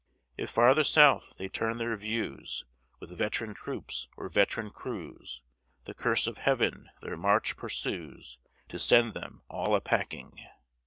If farther south they turn their views, With veteran troops, or veteran crews, The curse of Heaven their march pursues, To send them all a packing.